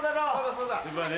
そうだ！